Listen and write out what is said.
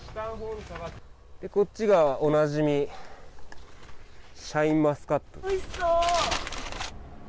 こっちがおなじみ、シャインおいしそう。